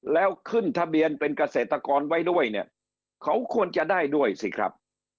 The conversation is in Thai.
แล้วขึ้นทะเบียนเป็นเกษตรกรไว้ด้วยเนี่ยเขาควรจะได้ด้วยสิครับ